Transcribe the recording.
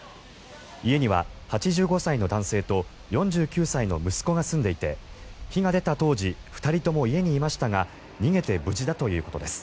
家には８５歳の男性と４９歳の息子が住んでいて火が出た当時２人とも家にいましたが逃げて無事だということです。